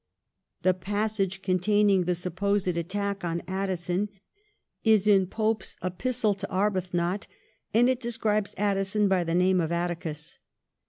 The passage containing the supposed attack on Addison is in Pope's ' Epistle to Arbuthnot,' and it describes Addison by the name of Atticus.